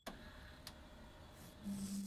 কথাটা এবং কথার ধরনটা রমেশের অত্যন্ত খারাপ লাগিল।